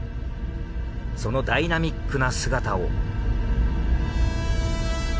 そのダイナミックな姿を。